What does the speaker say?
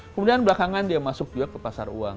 kemudian belakangan dia masuk juga ke pasar uang